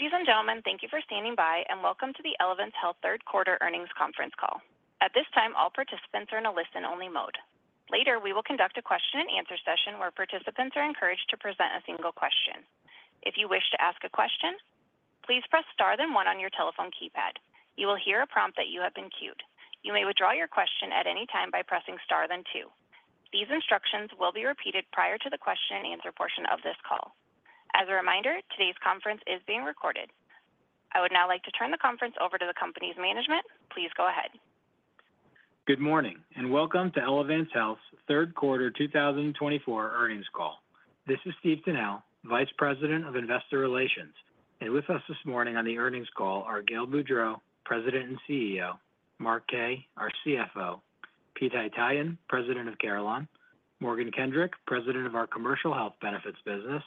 Ladies and gentlemen, thank you for standing by, and welcome to the Elevance Health third quarter earnings conference call. At this time, all participants are in a listen-only mode. Later, we will conduct a question-and-answer session where participants are encouraged to present a single question. If you wish to ask a question, please press star then one on your telephone keypad. You will hear a prompt that you have been queued. You may withdraw your question at any time by pressing star then two. These instructions will be repeated prior to the question-and-answer portion of this call. As a reminder, today's conference is being recorded. I would now like to turn the conference over to the company's management. Please go ahead. Good morning, and welcome to Elevance Health's third quarter 2024 earnings call. This is Steve Tanal, Vice President of Investor Relations, and with us this morning on the earnings call are Gail Boudreaux, President and CEO, Mark Kaye, our CFO, Pete Haytaian, President of Carelon, Morgan Kendrick, President of our Commercial Health Benefits business,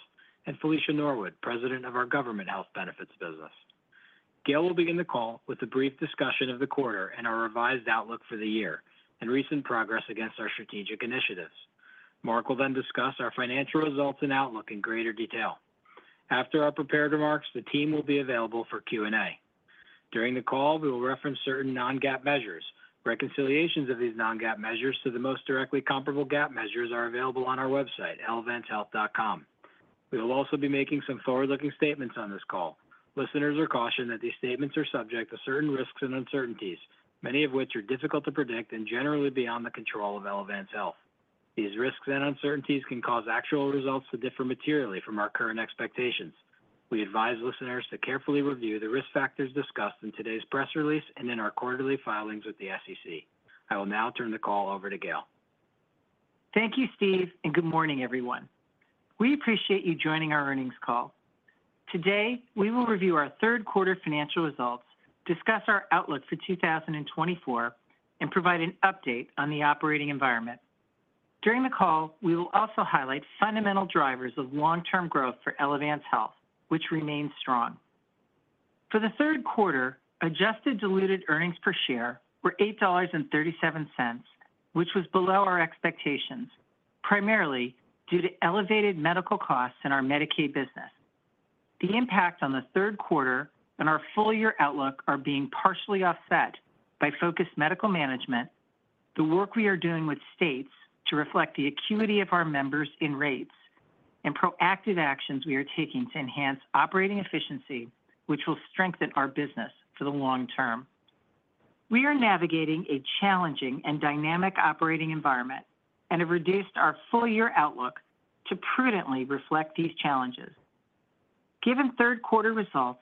and Felicia Norwood, President of our Government Health Benefits business. Gail will begin the call with a brief discussion of the quarter and our revised outlook for the year and recent progress against our strategic initiatives. Mark will then discuss our financial results and outlook in greater detail. After our prepared remarks, the team will be available for Q&A. During the call, we will reference certain non-GAAP measures. Reconciliations of these non-GAAP measures to the most directly comparable GAAP measures are available on our website, elevancehealth.com. We will also be making some forward-looking statements on this call. Listeners are cautioned that these statements are subject to certain risks and uncertainties, many of which are difficult to predict and generally beyond the control of Elevance Health. These risks and uncertainties can cause actual results to differ materially from our current expectations. We advise listeners to carefully review the risk factors discussed in today's press release and in our quarterly filings with the SEC. I will now turn the call over to Gail. Thank you, Steve, and good morning, everyone. We appreciate you joining our earnings call. Today, we will review our third quarter financial results, discuss our outlook for 2024, and provide an update on the operating environment. During the call, we will also highlight fundamental drivers of long-term growth for Elevance Health, which remains strong. For the third quarter, Adjusted Diluted Earnings Per Share were $8.37, which was below our expectations, primarily due to elevated medical costs in our Medicaid business. The impact on the third quarter and our full-year outlook are being partially offset by focused medical management, the work we are doing with states to reflect the acuity of our members in rates, and proactive actions we are taking to enhance operating efficiency, which will strengthen our business for the long term. We are navigating a challenging and dynamic operating environment and have reduced our full-year outlook to prudently reflect these challenges. Given third quarter results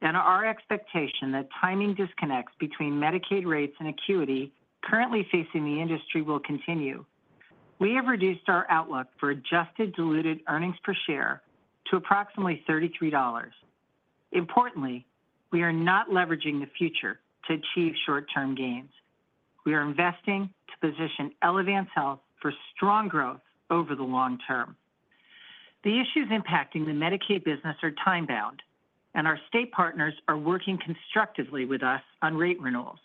and our expectation that timing disconnects between Medicaid rates and acuity currently facing the industry will continue, we have reduced our outlook for adjusted diluted earnings per share to approximately $33. Importantly, we are not leveraging the future to achieve short-term gains. We are investing to position Elevance Health for strong growth over the long term. The issues impacting the Medicaid business are time-bound, and our state partners are working constructively with us on rate renewals.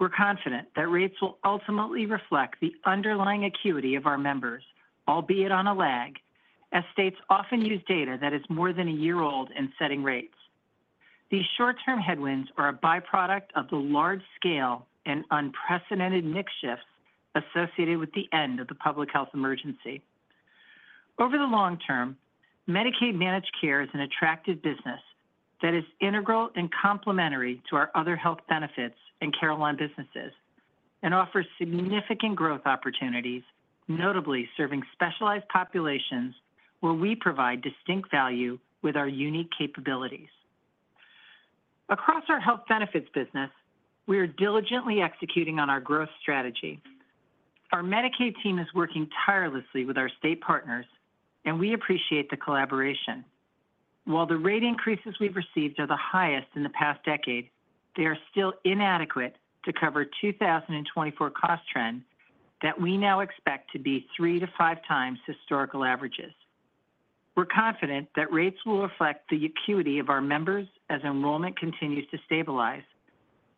We're confident that rates will ultimately reflect the underlying acuity of our members, albeit on a lag, as states often use data that is more than a year old in setting rates. These short-term headwinds are a byproduct of the large scale and unprecedented mix shifts associated with the end of the public health emergency. Over the long term, Medicaid managed care is an attractive business that is integral and complementary to our other health benefits and Carelon businesses and offers significant growth opportunities, notably serving specialized populations where we provide distinct value with our unique capabilities. Across our health benefits business, we are diligently executing on our growth strategy. Our Medicaid team is working tirelessly with our state partners, and we appreciate the collaboration. While the rate increases we've received are the highest in the past decade, they are still inadequate to cover 2024 cost trends that we now expect to be three to five times historical averages. We're confident that rates will reflect the acuity of our members as enrollment continues to stabilize,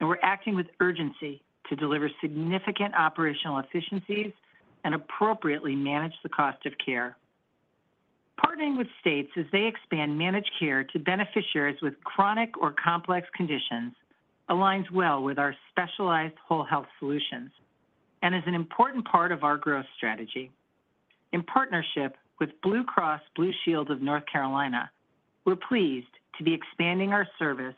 and we're acting with urgency to deliver significant operational efficiencies and appropriately manage the cost of care. Partnering with states as they expand managed care to beneficiaries with chronic or complex conditions aligns well with our specialized whole health solutions and is an important part of our growth strategy. In partnership with Blue Cross Blue Shield of North Carolina, we're pleased to be expanding our service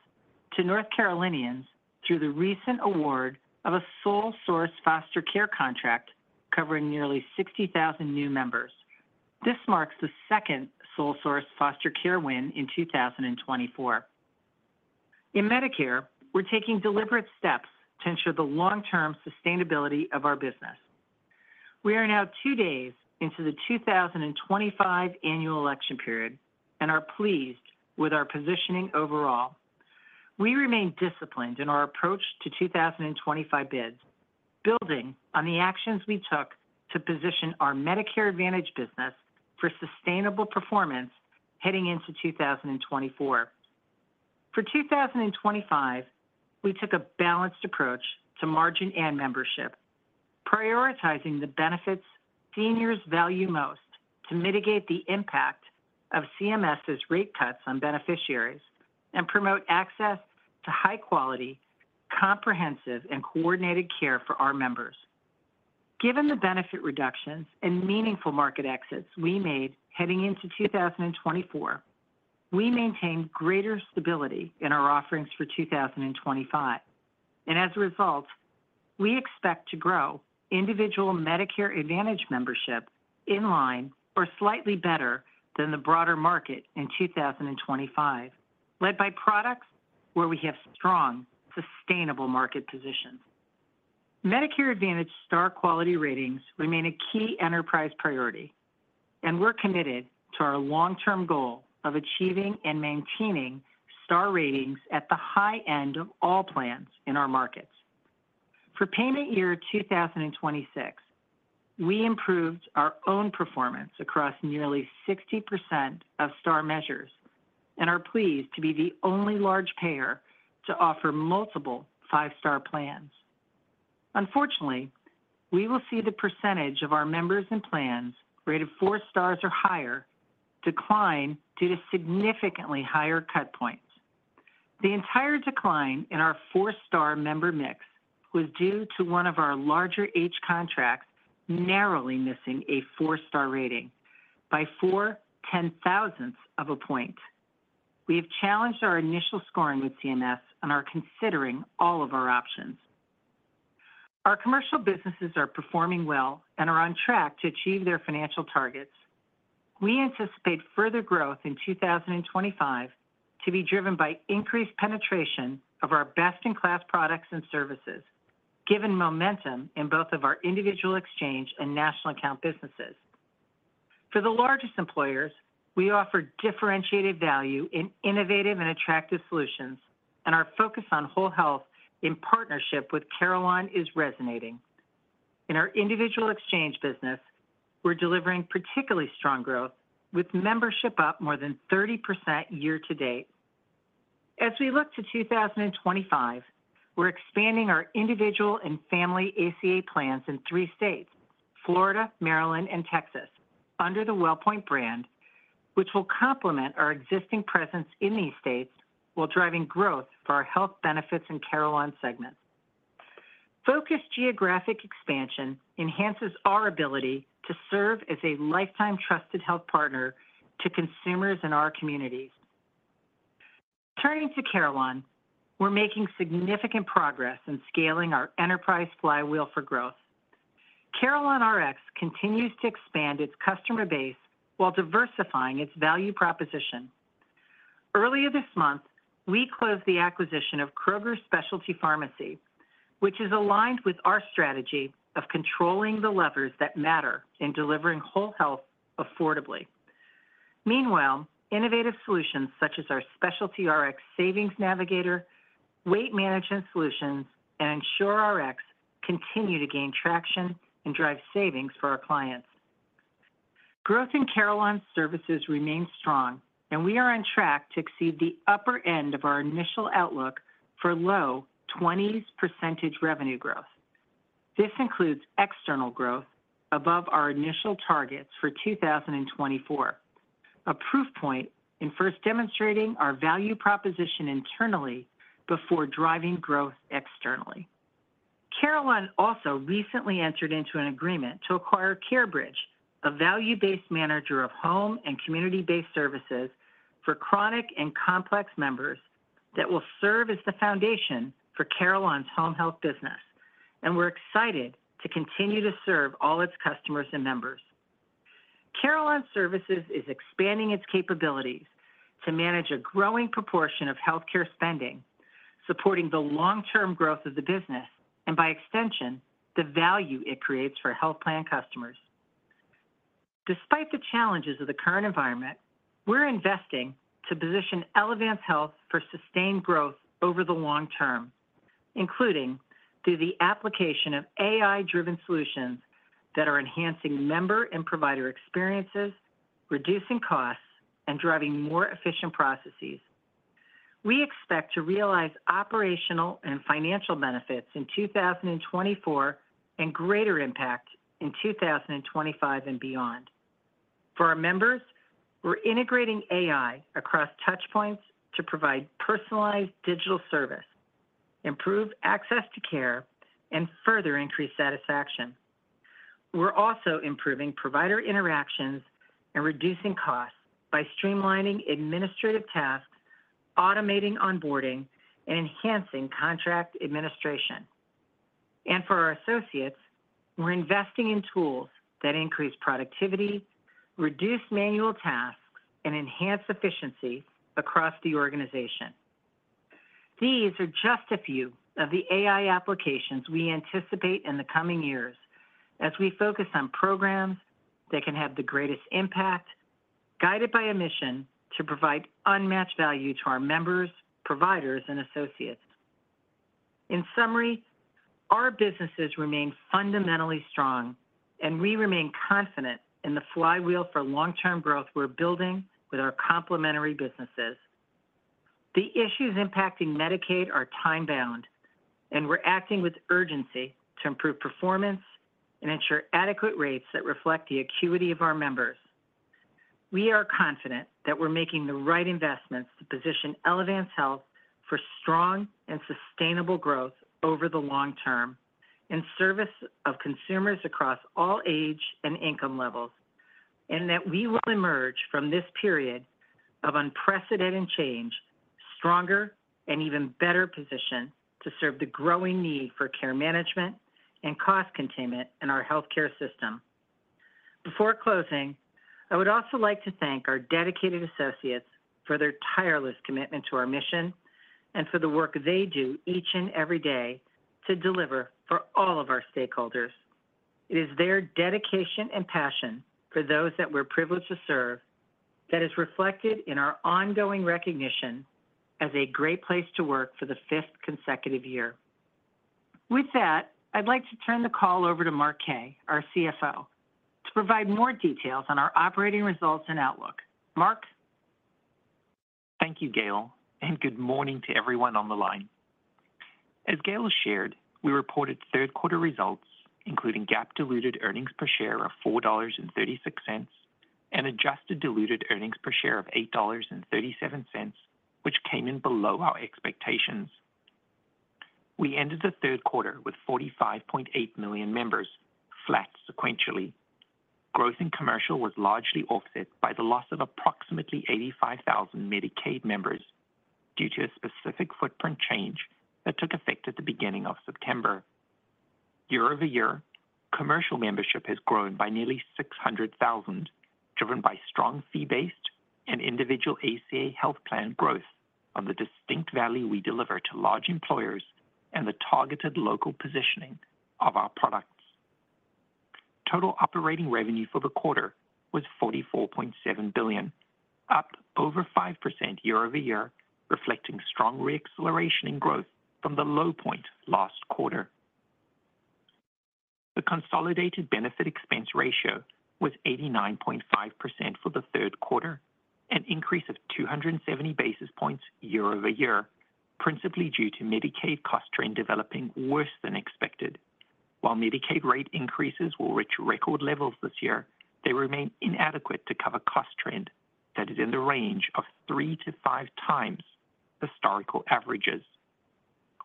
to North Carolinians through the recent award of a sole source foster care contract covering nearly 60,000 new members. This marks the second sole source foster care win in 2024. In Medicare, we're taking deliberate steps to ensure the long-term sustainability of our business. We are now two days into the 2025 Annual Election Period and are pleased with our positioning overall. We remain disciplined in our approach to 2025 bids, building on the actions we took to position our Medicare Advantage business for sustainable performance heading into 2024. For 2025, we took a balanced approach to margin and membership. Prioritizing the benefits seniors value most to mitigate the impact of CMS's rate cuts on beneficiaries and promote access to high quality, comprehensive, and coordinated care for our members. Given the benefit reductions and meaningful market exits we made heading into 2024, we maintained greater stability in our offerings for 2025. As a result, we expect to grow individual Medicare Advantage membership in line or slightly better than the broader market in 2025 led by products where we have strong, sustainable market positions. Medicare Advantage Star quality ratings remain a key enterprise priority, and we're committed to our long-term goal of achieving and maintaining Star ratings at the high end of all plans in our markets. For payment year 2026, we improved our own performance across nearly 60% of Star measures and are pleased to be the only large payer to offer multiple 5-star plans. Unfortunately, we will see the percentage of our members and plans rated four stars or higher decline due to significantly higher cut points. The entire decline in our four-star member mix was due to one of our larger H-contracts narrowly missing a four-star rating by four ten-thousandths of a point. We have challenged our initial scoring with CMS and are considering all of our options. Our commercial businesses are performing well and are on track to achieve their financial targets. We anticipate further growth in 2025 to be driven by increased penetration of our best-in-class products and services, given momentum in both of our individual exchange and national account businesses. For the largest employers, we offer differentiated value in innovative and attractive solutions, and our focus on whole health in partnership with Carelon is resonating. In our individual exchange business, we're delivering particularly strong growth, with membership up more than 30% year to date. As we look to 2025, we're expanding our individual and family ACA plans in three states, Florida, Maryland, and Texas, under the Wellpoint brand, which will complement our existing presence in these states while driving growth for our health benefits and Carelon segments. Focused geographic expansion enhances our ability to serve as a lifetime trusted health partner to consumers in our communities. Turning to Carelon, we're making significant progress in scaling our enterprise flywheel for growth. CarelonRx continues to expand its customer base while diversifying its value proposition. Earlier this month, we closed the acquisition of Kroger Specialty Pharmacy, which is aligned with our strategy of controlling the levers that matter in delivering whole health affordably. Meanwhile, innovative solutions such as our Specialty Rx Savings Navigator, Weight Management Solutions, and EnsureRx continue to gain traction and drive savings for our clients. Growth in Carelon Services remains strong, and we are on track to exceed the upper end of our initial outlook for low 20s% revenue growth. This includes external growth above our initial targets for 2024, a proof point in first demonstrating our value proposition internally before driving growth externally. Carelon also recently entered into an agreement to acquire CareBridge, a value-based manager of home and community-based services for chronic and complex members that will serve as the foundation for Carelon's home health business, and we're excited to continue to serve all its customers and members. Carelon Services is expanding its capabilities to manage a growing proportion of healthcare spending, supporting the long-term growth of the business, and by extension, the value it creates for health plan customers. Despite the challenges of the current environment, we're investing to position Elevance Health for sustained growth over the long term, including through the application of AI-driven solutions that are enhancing member and provider experiences, reducing costs, and driving more efficient processes. We expect to realize operational and financial benefits in 2024, and greater impact in 2025 and beyond. For our members, we're integrating AI across touch points to provide personalized digital service, improve access to care, and further increase satisfaction. We're also improving provider interactions and reducing costs by streamlining administrative tasks, automating onboarding, and enhancing contract administration, and for our associates, we're investing in tools that increase productivity, reduce manual tasks, and enhance efficiency across the organization. These are just a few of the AI applications we anticipate in the coming years as we focus on programs that can have the greatest impact, guided by a mission to provide unmatched value to our members, providers, and associates. In summary, our businesses remain fundamentally strong, and we remain confident in the flywheel for long-term growth we're building with our complementary businesses. The issues impacting Medicaid are time-bound, and we're acting with urgency to improve performance and ensure adequate rates that reflect the acuity of our members. We are confident that we're making the right investments to position Elevance Health for strong and sustainable growth over the long term, in service of consumers across all age and income levels, and that we will emerge from this period of unprecedented change, stronger and even better positioned to serve the growing need for care management and cost containment in our healthcare system. Before closing, I would also like to thank our dedicated associates for their tireless commitment to our mission and for the work they do each and every day to deliver for all of our stakeholders. It is their dedication and passion for those that we're privileged to serve that is reflected in our ongoing recognition as a great place to work for the fifth consecutive year. With that, I'd like to turn the call over to Mark Kaye, our CFO, to provide more details on our operating results and outlook. Mark? Thank you, Gail, and good morning to everyone on the line. As Gail has shared, we reported third quarter results, including GAAP diluted earnings per share of $4.36 and adjusted diluted earnings per share of $8.37, which came in below our expectations. We ended the third quarter with 45.8 million members, flat sequentially. Growth in commercial was largely offset by the loss of approximately 85,000 Medicaid members due to a specific footprint change that took effect at the beginning of September. Year-over-year, commercial membership has grown by nearly 600,000, driven by strong fee-based and individual ACA health plan growth on the distinct value we deliver to large employers and the targeted local positioning of our products. Total operating revenue for the quarter was $44.7 billion, up over 5% year-over-year, reflecting strong re-acceleration in growth from the low point last quarter. The consolidated benefit expense ratio was 89.5 for the third quarter, an increase of 270 basis points year-over-year, principally due to Medicaid cost trend developing worse than expected. While Medicaid rate increases will reach record levels this year, they remain inadequate to cover cost trend that is in the range of 3-5 times historical averages.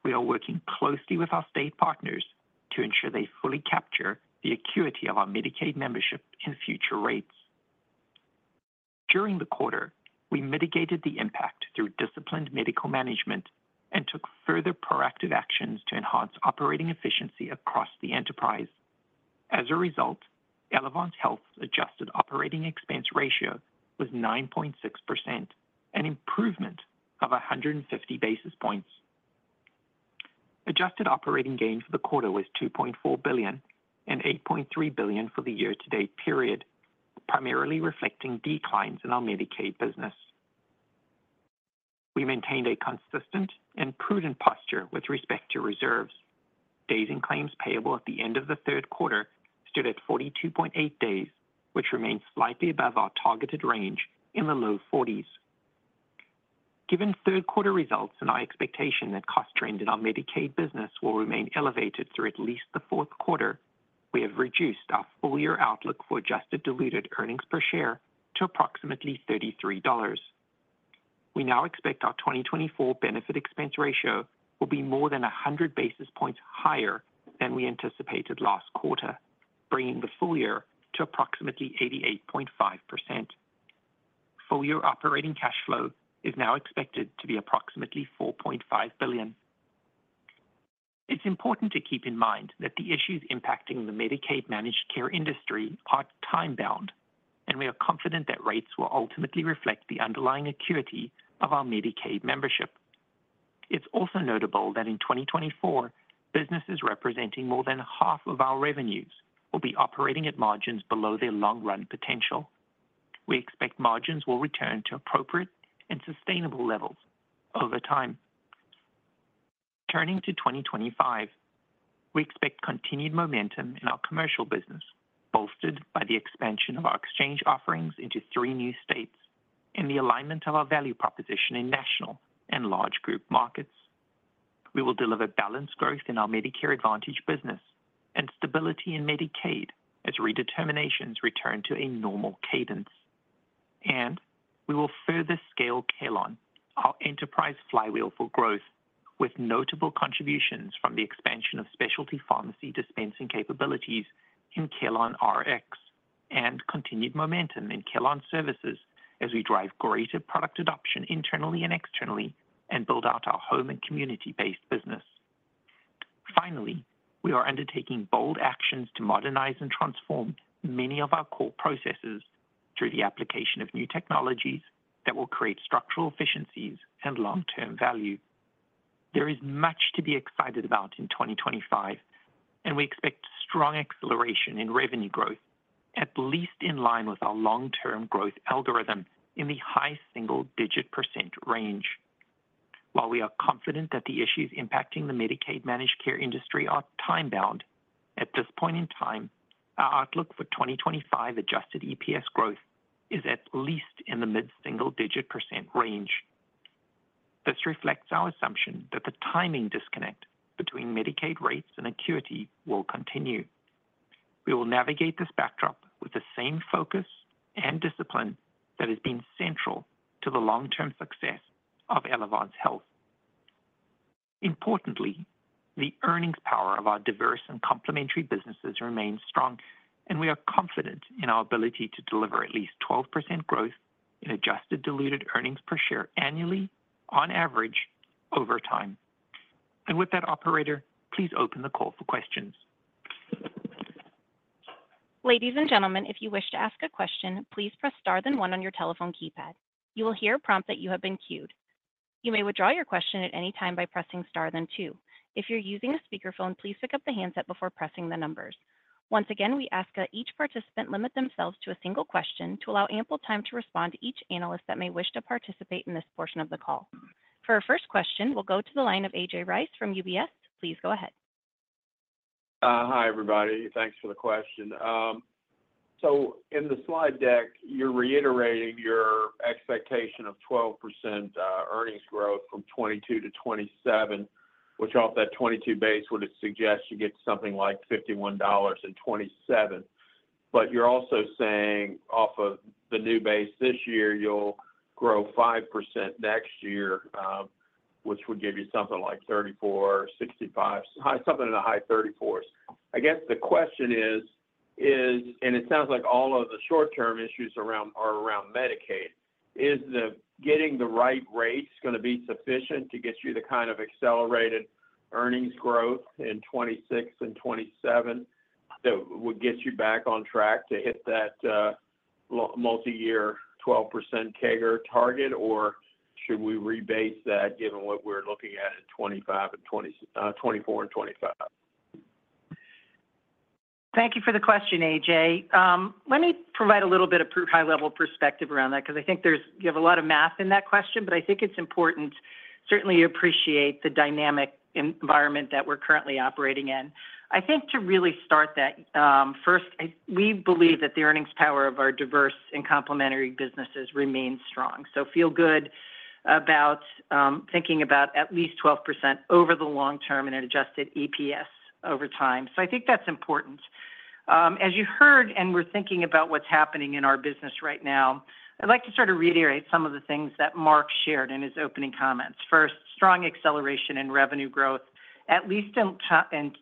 We are working closely with our state partners to ensure they fully capture the acuity of our Medicaid membership in future rates. During the quarter, we mitigated the impact through disciplined medical management and took further proactive actions to enhance operating efficiency across the enterprise. As a result, Elevance Health's adjusted operating expense ratio was 9.6%, an improvement of 150 basis points. Adjusted operating gain for the quarter was $2.4 billion and $8.3 billion for the year-to-date period, primarily reflecting declines in our Medicaid business. We maintained a consistent and prudent posture with respect to reserves. Days in claims payable at the end of the third quarter stood at 42.8 days, which remains slightly above our targeted range in the low forties. Given third quarter results and our expectation that cost trend in our Medicaid business will remain elevated through at least the fourth quarter, we have reduced our full-year outlook for adjusted diluted earnings per share to approximately $33. We now expect our 2024 benefit expense ratio will be more than 100 basis points higher than we anticipated last quarter, bringing the full year to approximately 88.5%. Full-year operating cash flow is now expected to be approximately $4.5 billion. It's important to keep in mind that the issues impacting the Medicaid managed care industry are time-bound, and we are confident that rates will ultimately reflect the underlying acuity of our Medicaid membership. It's also notable that in 2024, businesses representing more than half of our revenues will be operating at margins below their long-run potential. We expect margins will return to appropriate and sustainable levels over time. Turning to 2025, we expect continued momentum in our commercial business, bolstered by the expansion of our exchange offerings into three new states and the alignment of our value proposition in national and large group markets. We will deliver balanced growth in our Medicare Advantage business and stability in Medicaid as redeterminations return to a normal cadence. We will further scale Carelon, our enterprise flywheel for growth, with notable contributions from the expansion of specialty pharmacy dispensing capabilities in CarelonRx and continued momentum in Carelon Services as we drive greater product adoption internally and externally and build out our home and community-based business. Finally, we are undertaking bold actions to modernize and transform many of our core processes through the application of new technologies that will create structural efficiencies and long-term value. There is much to be excited about in 2025, and we expect strong acceleration in revenue growth, at least in line with our long-term growth algorithm in the high single-digit % range. While we are confident that the issues impacting the Medicaid managed care industry are time-bound, at this point in time, our outlook for 2025 adjusted EPS growth is at least in the mid-single-digit % range. This reflects our assumption that the timing disconnect between Medicaid rates and acuity will continue. We will navigate this backdrop with the same focus and discipline that has been central to the long-term success of Elevance Health. Importantly, the earnings power of our diverse and complementary businesses remains strong, and we are confident in our ability to deliver at least 12% growth in adjusted diluted earnings per share annually on average, over time. With that, operator, please open the call for questions. Ladies and gentlemen, if you wish to ask a question, please press star then one on your telephone keypad. You will hear a prompt that you have been queued. You may withdraw your question at any time by pressing star then two. If you're using a speakerphone, please pick up the handset before pressing the numbers. Once again, we ask that each participant limit themselves to a single question to allow ample time to respond to each analyst that may wish to participate in this portion of the call. For our first question, we'll go to the line of A.J. Rice from UBS. Please go ahead. Hi, everybody. Thanks for the question. So in the slide deck, you're reiterating your expectation of 12% earnings growth from 2022-2027, which off that 2022 base would suggest you get something like $51.27. But you're also saying off of the new base this year, you'll grow 5% next year, which would give you something like $34.65 high, something in the high $34s. I guess the question is, and it sounds like all of the short-term issues are around Medicaid: Is getting the right rates gonna be sufficient to get you the kind of accelerated earnings growth in 2026 and 2027 that would get you back on track to hit that long multi-year 12% CAGR target, or should we rebase that given what we're looking at in 2025 and 2024 and 2025? Thank you for the question, AJ. Let me provide a little bit of high-level perspective around that because I think there's, you have a lot of math in that question, but I think it's important, certainly appreciate the dynamic environment that we're currently operating in. I think to really start that, first, we believe that the earnings power of our diverse and complementary businesses remains strong. So feel good about thinking about at least 12% over the long term in an adjusted EPS over time. So I think that's important. As you heard, and we're thinking about what's happening in our business right now, I'd like to sort of reiterate some of the things that Mark shared in his opening comments. First, strong acceleration in revenue growth, at least in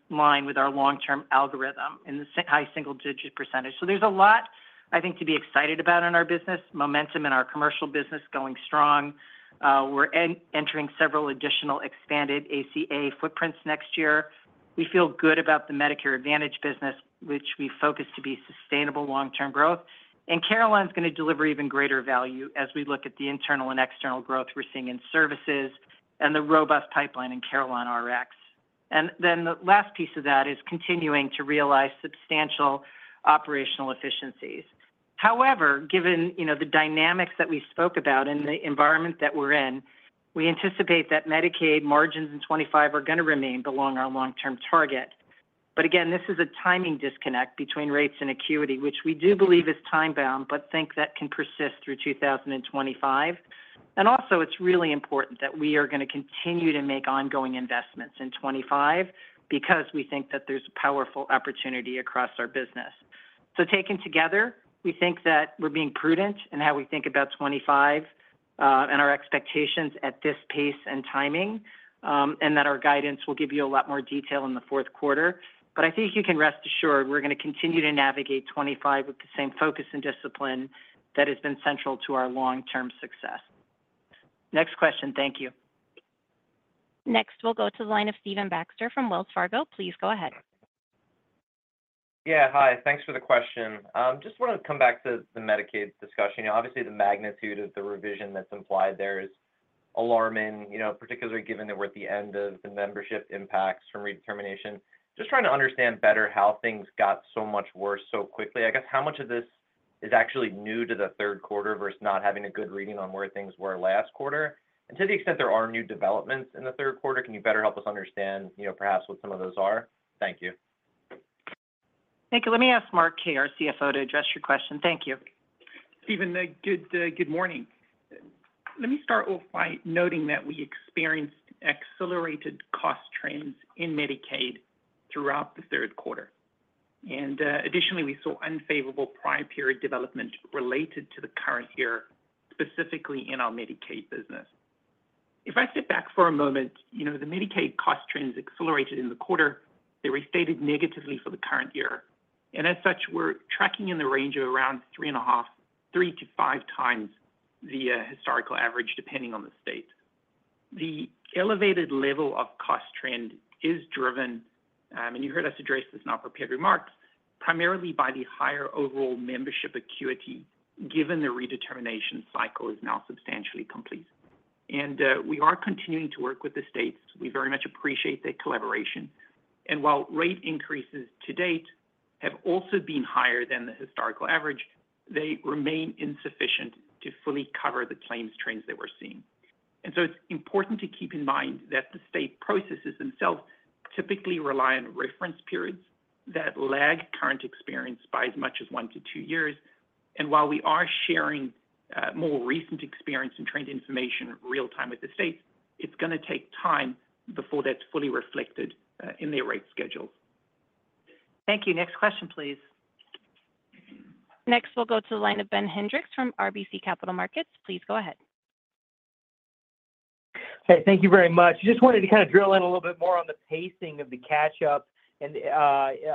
line with our long-term algorithm in the high single-digit %. So there's a lot, I think, to be excited about in our business, momentum in our commercial business going strong. We're entering several additional expanded ACA footprints next year. We feel good about the Medicare Advantage business, which we focus to be sustainable long-term growth. And Carelon is gonna deliver even greater value as we look at the internal and external growth we're seeing in services and the robust pipeline in CarelonRx. And then the last piece of that is continuing to realize substantial operational efficiencies. However, given, you know, the dynamics that we spoke about and the environment that we're in, we anticipate that Medicaid margins in 2025 are gonna remain below our long-term target. But again, this is a timing disconnect between rates and acuity, which we do believe is time-bound, but think that can persist through 2025. And also, it's really important that we are gonna continue to make ongoing investments in 2025 because we think that there's a powerful opportunity across our business. So taken together, we think that we're being prudent in how we think about 2025 and our expectations at this pace and timing, and that our guidance will give you a lot more detail in the fourth quarter. But I think you can rest assured we're gonna continue to navigate 2025 with the same focus and discipline that has been central to our long-term success. Next question. Thank you. Next, we'll go to the line of Stephen Baxter from Wells Fargo. Please go ahead. Yeah. Hi, thanks for the question. Just wanna come back to the Medicaid discussion. Obviously, the magnitude of the revision that's implied there is alarming, you know, particularly given that we're at the end of the membership impacts from redetermination. Just trying to understand better how things got so much worse so quickly. I guess, how much of this is actually new to the third quarter versus not having a good reading on where things were last quarter? And to the extent there are new developments in the third quarter, can you better help us understand, you know, perhaps what some of those are? Thank you. Thank you. Let me ask Mark Kaye, our CFO, to address your question. Thank you. Steven, good morning. Let me start off by noting that we experienced accelerated cost trends in Medicaid throughout the third quarter. And, additionally, we saw unfavorable prior period development related to the current year, specifically in our Medicaid business. If I sit back for a moment, you know, the Medicaid cost trends accelerated in the quarter. They restated negatively for the current year, and as such, we're tracking in the range of around 3.5x, 3x-5x the historical average, depending on the state. The elevated level of cost trend is driven, and you heard us address this in our prepared remarks, primarily by the higher overall membership acuity, given the redetermination cycle is now substantially complete. And, we are continuing to work with the states. We very much appreciate their collaboration. And while rate increases to date have also been higher than the historical average. They remain insufficient to fully cover the claims trends that we're seeing. And so it's important to keep in mind that the state processes themselves typically rely on reference periods that lag current experience by as much as one to two years. And while we are sharing more recent experience and trend information real time with the states, it's gonna take time before that's fully reflected in their rate schedules. Thank you. Next question, please. Next, we'll go to the line of Ben Hendrix from RBC Capital Markets. Please go ahead. Hey, thank you very much. Just wanted to kind of drill in a little bit more on the pacing of the catch-up and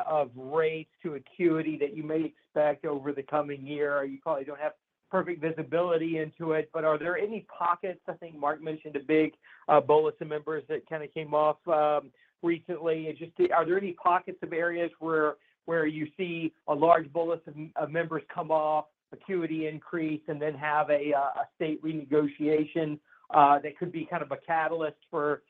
of rates to acuity that you may expect over the coming year. You probably don't have perfect visibility into it, but are there any pockets? I think Mark mentioned a big bolus of members that kind of came off recently. And just, are there any pockets of areas where you see a large bolus of members come off, acuity increase, and then have a state renegotiation that could be kind of a catalyst for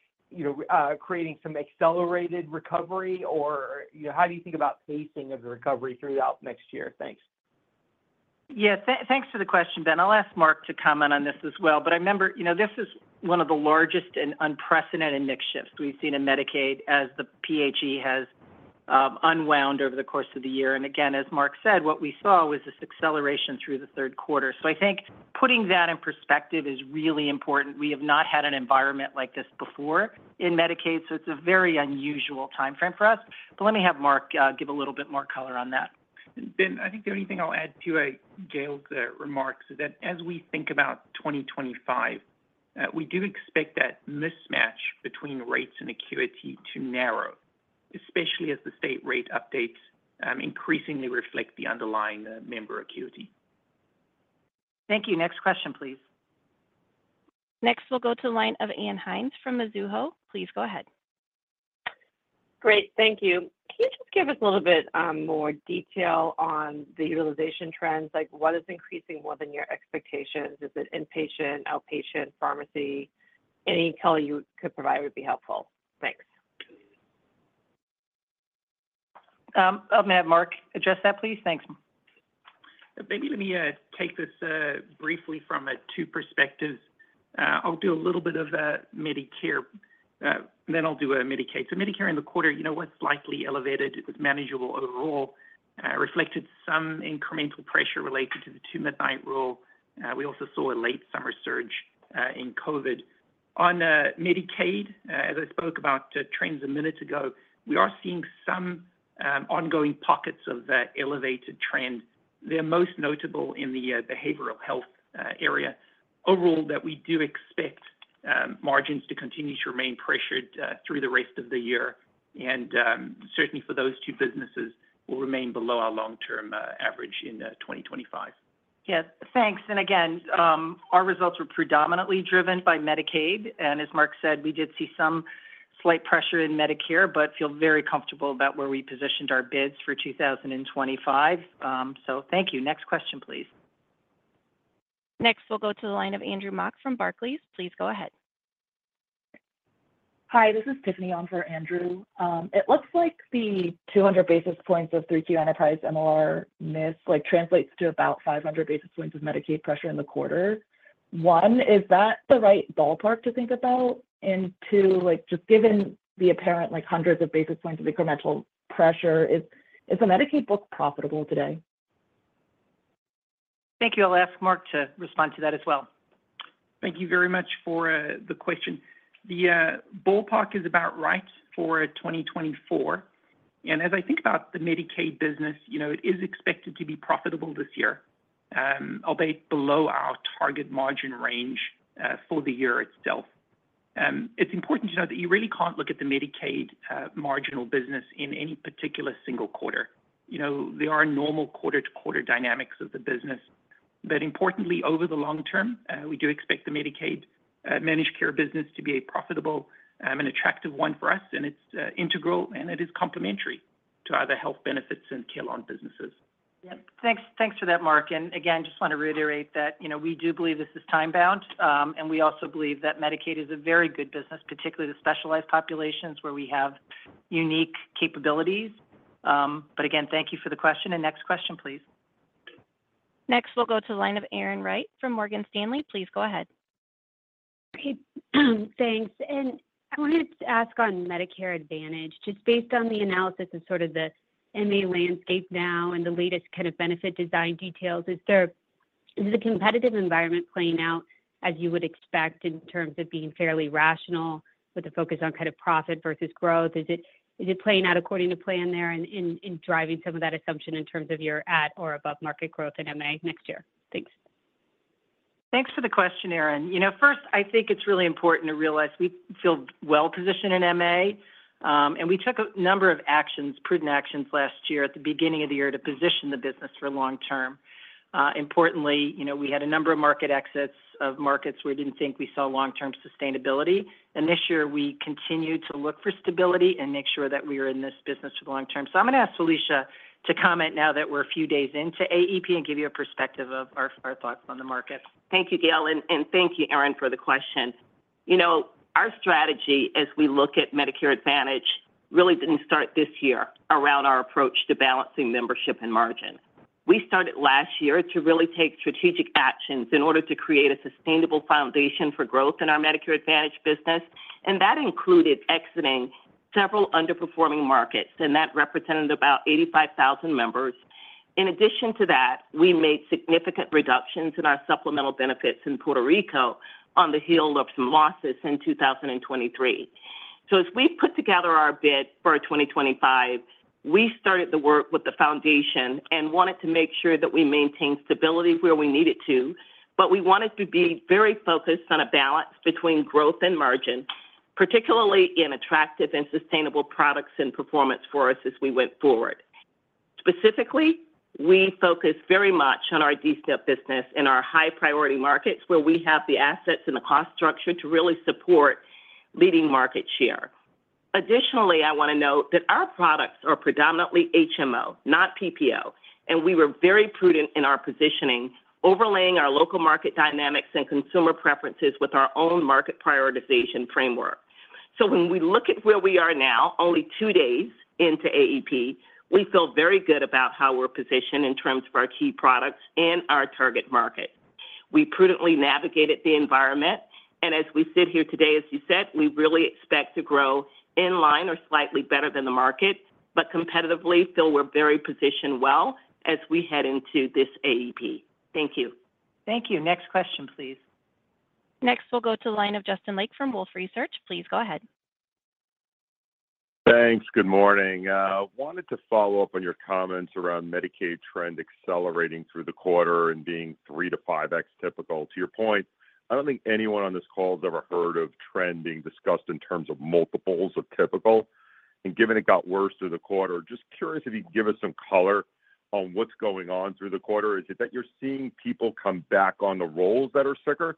creating some accelerated recovery? Or, you know, how do you think about pacing of the recovery throughout next year? Thanks. Yeah, thanks for the question, Ben. I'll ask Mark to comment on this as well. But remember, you know, this is one of the largest and unprecedented mix shifts we've seen in Medicaid as the PHE has unwound over the course of the year. And again, as Mark said, what we saw was this acceleration through the third quarter. So I think putting that in perspective is really important. We have not had an environment like this before in Medicaid, so it's a very unusual timeframe for us. But let me have Mark give a little bit more color on that. Ben, I think the only thing I'll add to Gail's remarks is that as we think about 2025, we do expect that mismatch between rates and acuity to narrow, especially as the state rate updates increasingly reflect the underlying member acuity. Thank you. Next question, please. Next, we'll go to the line of Ann Hynes from Mizuho. Please go ahead. Great, thank you. Can you just give us a little bit, more detail on the utilization trends? Like, what is increasing more than your expectations? Is it inpatient, outpatient, pharmacy? Any color you could provide would be helpful. Thanks. Oh, may I have Mark address that, please? Thanks. Maybe let me take this briefly from two perspectives. I'll do a little bit of Medicare, then I'll do a Medicaid. So Medicare in the quarter, you know what? Slightly elevated. It was manageable overall, reflected some incremental pressure related to the Two-Midnight Rule. We also saw a late summer surge in COVID. On Medicaid, as I spoke about trends a minute ago, we are seeing some ongoing pockets of elevated trends. They're most notable in the behavioral health area. Overall, that we do expect margins to continue to remain pressured through the rest of the year, and certainly for those two businesses, will remain below our long-term average in 2025. Yes. Thanks. And again, our results were predominantly driven by Medicaid. And as Mark said, we did see some slight pressure in Medicare, but feel very comfortable about where we positioned our bids for 2025. So thank you. Next question, please. Next, we'll go to the line of Andrew Mok from Barclays. Please go ahead. Hi, this is Tiffany on for Andrew. It looks like the two hundred basis points of 3Q Enterprise MR miss, like, translates to about five hundred basis points of Medicaid pressure in the quarter. One, is that the right ballpark to think about? And two, like, just given the apparent, like, hundreds of basis points of incremental pressure, is the Medicaid book profitable today? Thank you. I'll ask Mark to respond to that as well. Thank you very much for the question. The ballpark is about right for 2024, and as I think about the Medicaid business, you know, it is expected to be profitable this year, albeit below our target margin range, for the year itself. It's important to note that you really can't look at the Medicaid managed business in any particular single quarter. You know, there are normal quarter-to-quarter dynamics of the business, but importantly, over the long term, we do expect the Medicaid Managed Care business to be a profitable, and attractive one for us, and it's integral, and it is complementary to other health benefits and Carelon businesses. Yep. Thanks, thanks for that, Mark. And again, just want to reiterate that, you know, we do believe this is time-bound, and we also believe that Medicaid is a very good business, particularly the specialized populations where we have unique capabilities. But again, thank you for the question. And next question, please. Next, we'll go to the line of Erin Wright from Morgan Stanley. Please go ahead. Hey, thanks. And I wanted to ask on Medicare Advantage, just based on the analysis of sort of the MA landscape now and the latest kind of benefit design details, is the competitive environment playing out as you would expect in terms of being fairly rational, with a focus on kind of profit versus growth? Is it playing out according to plan there in driving some of that assumption in terms of your at or above-market growth in MA next year? Thanks. Thanks for the question, Erin. You know, first, I think it's really important to realize we feel well positioned in MA, and we took a number of actions, prudent actions last year at the beginning of the year to position the business for long term. Importantly, you know, we had a number of market exits of markets we didn't think we saw long-term sustainability, and this year we continued to look for stability and make sure that we are in this business for the long term. So I'm gonna ask Felicia to comment now that we're a few days into AEP and give you a perspective of our thoughts on the market. Thank you, Gail, and thank you, Erin, for the question. You know, our strategy as we look at Medicare Advantage really didn't start this year around our approach to balancing membership and margin. We started last year to really take strategic actions in order to create a sustainable foundation for growth in our Medicare Advantage business, and that included exiting several underperforming markets, and that represented about 85,000 members. In addition to that, we made significant reductions in our supplemental benefits in Puerto Rico on the heels of some losses in 2023. So as we put together our bid for 2025, we started the work with the foundation and wanted to make sure that we maintained stability where we needed to, but we wanted to be very focused on a balance between growth and margin, particularly in attractive and sustainable products and performance for us as we went forward. Specifically, we focused very much on our D-SNP business in our high-priority markets, where we have the assets and the cost structure to really support leading market share. Additionally, I want to note that our products are predominantly HMO, not PPO, and we were very prudent in our positioning, overlaying our local market dynamics and consumer preferences with our own market prioritization framework. So when we look at where we are now, only two days into AEP, we feel very good about how we're positioned in terms of our key products and our target market. We prudently navigated the environment, and as we sit here today, as you said, we really expect to grow in line or slightly better than the market, but competitively, feel we're very positioned well as we head into this AEP. Thank you. Thank you. Next question, please. Next, we'll go to the line of Justin Lake from Wolfe Research. Please go ahead. Thanks. Good morning. Wanted to follow up on your comments around Medicaid trend accelerating through the quarter and being 3x-5x typical. To your point, I don't think anyone on this call has ever heard of trend being discussed in terms of multiples of typical. And given it got worse through the quarter, just curious if you'd give us some color on what's going on through the quarter. Is it that you're seeing people come back on the rolls that are sicker,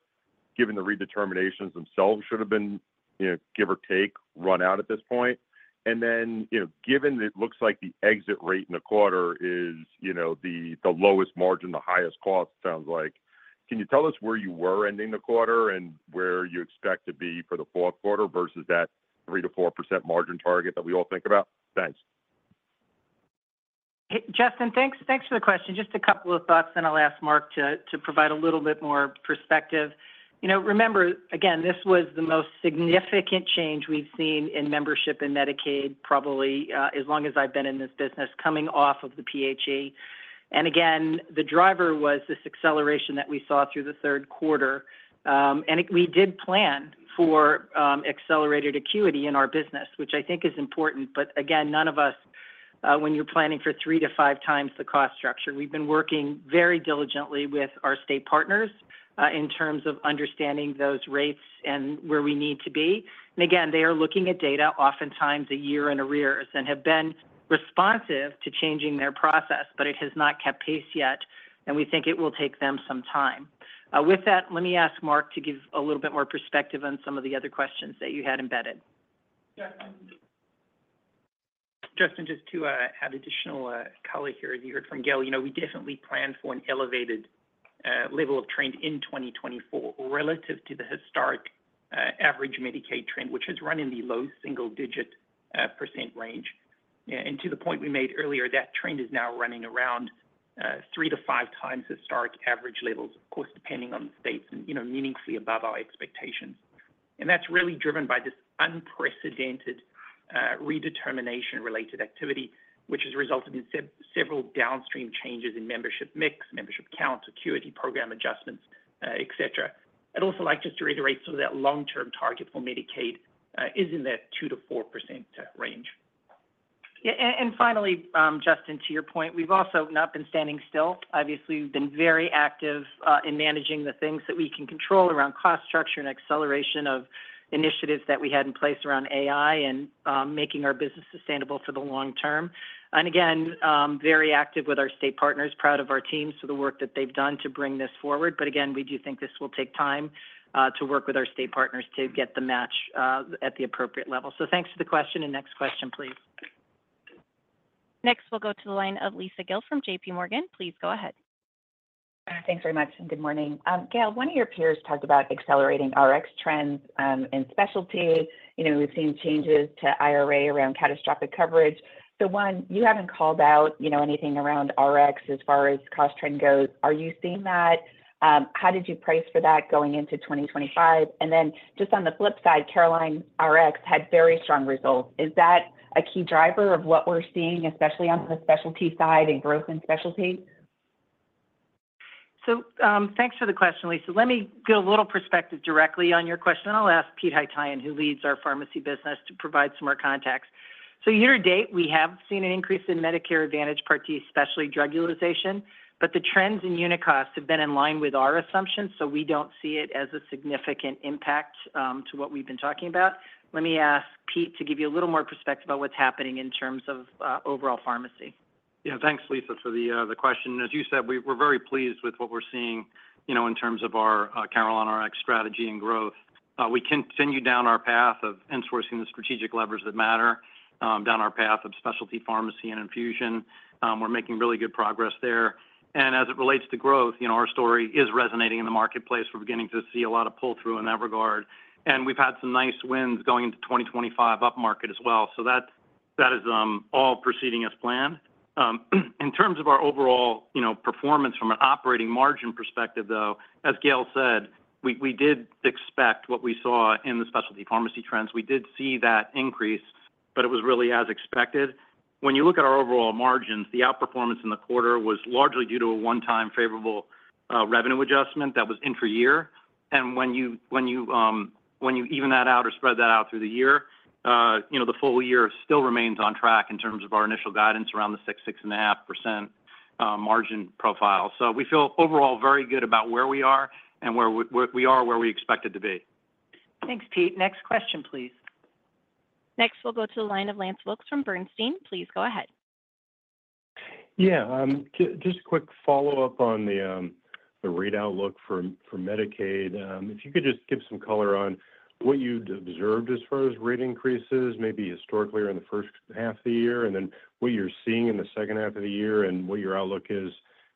given the redeterminations themselves should have been, you know, give or take, run out at this point? Then, you know, given it looks like the exit rate in the quarter is, you know, the lowest margin, the highest cost, sounds like, can you tell us where you were ending the quarter and where you expect to be for the fourth quarter versus that 3-4% margin target that we all think about? Thanks. Justin, thanks for the question. Just a couple of thoughts, then I'll ask Mark to provide a little bit more perspective. You know, remember, again, this was the most significant change we've seen in membership in Medicaid, probably, as long as I've been in this business, coming off of the PHE. And again, the driver was this acceleration that we saw through the third quarter, and it we did plan for accelerated acuity in our business, which I think is important. But again, none of us, when you're planning for three to five times the cost structure, we've been working very diligently with our state partners, in terms of understanding those rates and where we need to be. Again, they are looking at data oftentimes a year in arrears and have been responsive to changing their process, but it has not kept pace yet, and we think it will take them some time. With that, let me ask Mark to give a little bit more perspective on some of the other questions that you had embedded. Justin, just to add additional color here, as you heard from Gail, you know, we definitely planned for an elevated level of trend in 2024 relative to the historic average Medicaid trend, which has run in the low single-digit % range. And to the point we made earlier, that trend is now running around three to five times historic average levels, of course, depending on the states and, you know, meaningfully above our expectations. And that's really driven by this unprecedented redetermination related activity, which has resulted in several downstream changes in membership mix, membership count, acuity program adjustments, etc. I'd also like just to reiterate, so that long-term target for Medicaid is in that 2%-4% range. Yeah, and finally, Justin, to your point, we've also not been standing still. Obviously, we've been very active in managing the things that we can control around cost structure and acceleration of initiatives that we had in place around AI and making our business sustainable for the long term. And again, very active with our state partners, proud of our teams for the work that they've done to bring this forward. But again, we do think this will take time to work with our state partners to get the match at the appropriate level. So thanks for the question, and next question, please. Next, we'll go to the line of Lisa Gill from JP Morgan. Please go ahead. Thanks very much, and good morning. Gail, one of your peers talked about accelerating Rx trends, and specialty. You know, we've seen changes to IRA around catastrophic coverage. So one, you haven't called out, you know, anything around RX as far as cost trend goes. Are you seeing that? How did you price for that going into 2025? And then just on the flip side, CarelonRx had very strong results. Is that a key driver of what we're seeing, especially on the specialty side and growth in specialty? So, thanks for the question, Lisa. Let me give a little perspective directly on your question, and I'll ask Pete Haytaian, who leads our pharmacy business, to provide some more context. So year to date, we have seen an increase in Medicare Advantage Part D, especially drug utilization, but the trends in unit costs have been in line with our assumptions, so we don't see it as a significant impact to what we've been talking about. Let me ask Pete to give you a little more perspective about what's happening in terms of overall pharmacy. Yeah. Thanks, Lisa, for the question. As you said, we're very pleased with what we're seeing, you know, in terms of our CarelonRx strategy and growth. We continue down our path of insourcing the strategic levers that matter, down our path of specialty pharmacy and infusion. We're making really good progress there. And as it relates to growth, you know, our story is resonating in the marketplace. We're beginning to see a lot of pull-through in that regard, and we've had some nice wins going into 2025 upmarket as well. So that's that is all proceeding as planned. In terms of our overall, you know, performance from an operating margin perspective, though, as Gail said, we did expect what we saw in the specialty pharmacy trends. We did see that increase, but it was really as expected. When you look at our overall margins, the outperformance in the quarter was largely due to a one-time favorable revenue adjustment that was intra-year. And when you even that out or spread that out through the year, you know, the full year still remains on track in terms of our initial guidance around the 6%-6.5% margin profile. So we feel overall very good about where we are, and where we are where we expected to be. Thanks, Pete. Next question, please. Next, we'll go to the line of Lance Wilkes from Bernstein. Please go ahead. Yeah, just a quick follow-up on the rate outlook for Medicaid. If you could just give some color on what you'd observed as far as rate increases, maybe historically or in the first half of the year, and then what you're seeing in the second half of the year, and what your outlook is